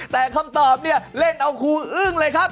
แต่คำตอบเนี่ยเล่นเอาครูอึ้งเลยครับ